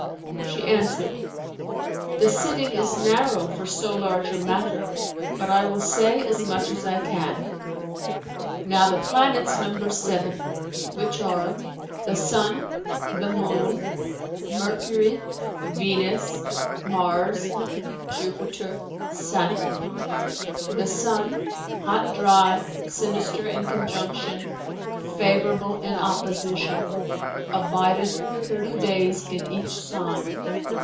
She answered, "The sitting is narrow for so large a matter, but I will say as much as I can. Now the planets number seven; which are, the Sun, the Moon, Mercury, Venus, Mars, Jupiter, Saturn. The Sun, hot dry, sinister in conjunction, favourable in opposition, abideth thirty days in each Sign.